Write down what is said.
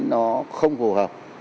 nó không phù hợp